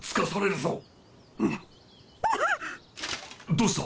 どうした？